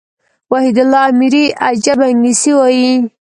وحيدالله اميري عجبه انګلېسي وايي.